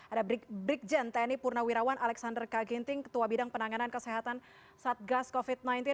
ada brikjen tni purnawirawan alexander kaginting ketua bidang penanganan kesehatan satgas covid sembilan belas